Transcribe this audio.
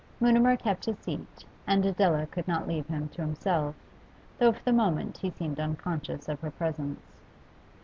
Mutimer kept his seat, and Adela could not leave him to himself, though for the moment he seemed unconscious of her presence.